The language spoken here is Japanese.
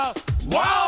ワオ！